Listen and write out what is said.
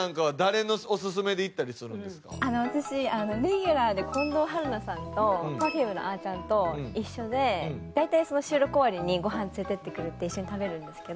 私レギュラーで近藤春菜さんとＰｅｒｆｕｍｅのあちゃんと一緒で大体その収録終わりにご飯連れてってくれて一緒に食べるんですけど。